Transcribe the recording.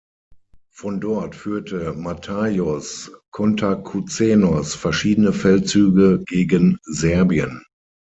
Von dort führte Matthaios Kantakuzenos verschiedene Feldzüge gegen Serbien.